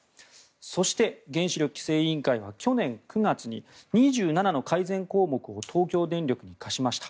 そして、原子力規制委員会は去年９月に２７の改善項目を東京電力に課しました。